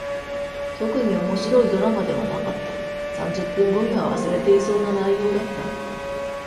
特に面白いドラマではなかった。三十分後には忘れていそうな内容だった。